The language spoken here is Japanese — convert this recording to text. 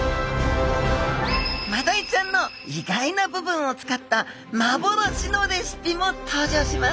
マダイちゃんの意外な部分を使った幻のレシピも登場します！